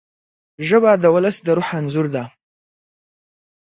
ژبه د ولس د روح انځور ده